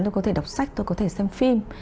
tôi có thể đọc sách tôi có thể xem phim